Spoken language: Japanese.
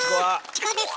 チコです